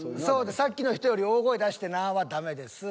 「さっきの人より大声出してな」はダメです。